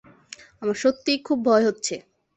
আমার সত্যিই খুব ভয় হচ্ছে।